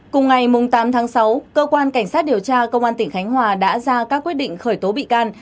cùng ngày tám tháng sáu cơ quan cảnh sát điều tra công an tỉnh khánh hòa đã ra các quyết định khởi tố bị can